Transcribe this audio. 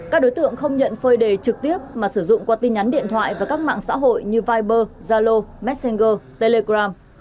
các đối tượng không nhận phơi đề trực tiếp mà sử dụng qua tin nhắn điện thoại và các mạng xã hội như viber zalo messenger telegram